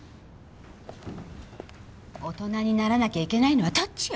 大人にならなきゃいけないのはどっちよ！